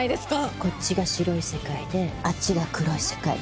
こっちが白い世界であっちが黒い世界。